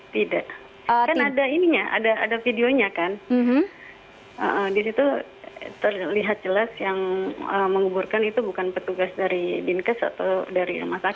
tidak kan ada videonya kan di situ terlihat jelas yang menguburkan itu bukan petugas dari binkes atau dari rumah sakit